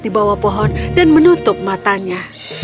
di bawah pohon dan menutup matanya